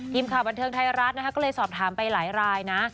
ทีมข่าวบันเทิงไทยรัฐนะคะก็เลยสอบถามไปหลายรายนะ